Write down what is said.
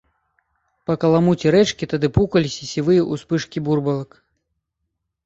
Па каламуці рэчкі тады пукаліся сівыя ўспышкі бурбалак.